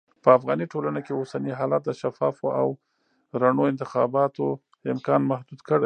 په افغاني ټولنه کې اوسني حالات د شفافو او رڼو انتخاباتو امکان محدود کړی.